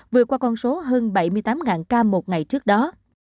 vượt qua con số hơn bảy mươi tám ca một ngày trước đó